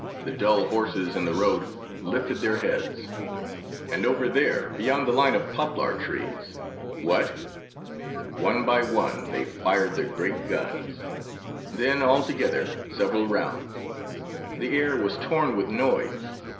The dull horses in the road lifted their heads. And over there, beyond the line of poplar trees, what? One by one they fired the great guns. Then all together, several rounds. The air was torn with noise.